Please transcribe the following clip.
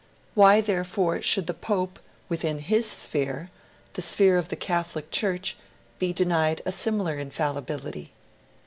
Why, therefore, should the Pope, within his sphere the sphere of the Catholic Church be denied a similar infallibility?